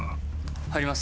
入ります。